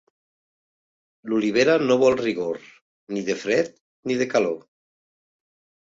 L'olivera no vol rigor, ni de fred ni de calor.